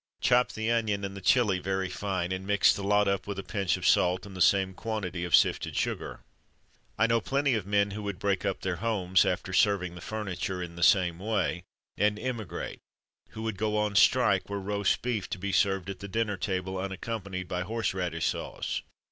Chop the onion and the chili very fine, and mix the lot up with a pinch of salt, and the same quantity of sifted sugar. I know plenty of men who would break up their homes (after serving the furniture in the same way) and emigrate; who would go on strike, were roast beef to be served at the dinner table unaccompanied by horse radish sauce.